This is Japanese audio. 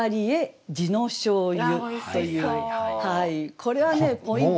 これはねポイント。